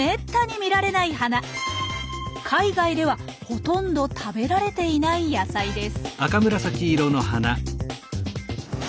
海外ではほとんど食べられていない野菜です。